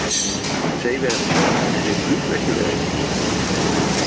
Zij werden snel en resoluut weggewerkt.